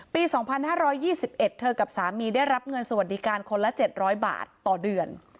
ปี๒๕๒๑เธอกับสามีได้รับเงินสวัสดิการคนละ๗๐๐บาทต่อเดือน